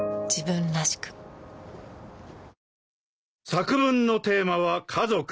作文のテーマは家族。